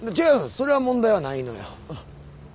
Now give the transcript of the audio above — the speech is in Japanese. それは問題はないのよ。